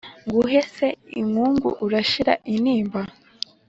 nguhe se inkungu urashira intimba